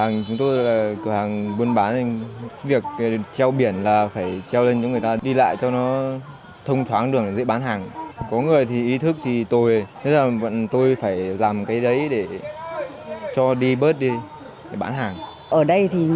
nhiều du khách bắt gặp những cửa hàng treo biển cấm chụp ảnh và chụp ảnh mất phí như vậy không khỏi ngỡ ngàng